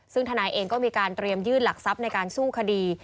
ซึ่งทนายเองก็มีการเตรียมยื่นหลักทรัพย์ในการสู้คดี